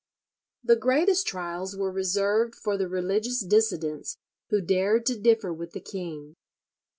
The greatest trials were reserved for the religious dissidents who dared to differ with the king.